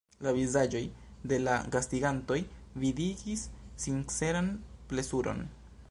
La vizaĝoj de la gastigantoj vidigis sinceran plezuron.